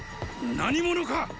何者か！